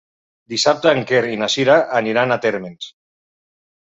Dissabte en Quer i na Sira aniran a Térmens.